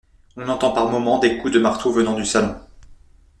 On entend par moment des coups de marteau venant du salon.